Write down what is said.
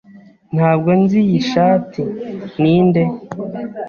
Ntabwo nzi iyi shati. Ninde?